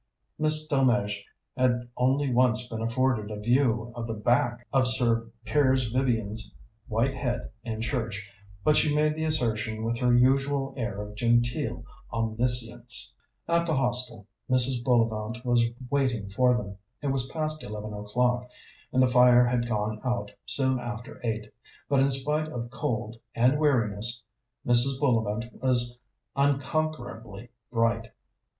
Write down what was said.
Miss Delmege had only once been afforded a view of the back of Sir Piers Vivian's white head in church, but she made the assertion with her usual air of genteel omniscience. At the Hostel Mrs. Bullivant was waiting for them. It was past eleven o'clock, and the fire had gone out soon after eight; but in spite of cold and weariness, Mrs. Bullivant was unconquerably bright.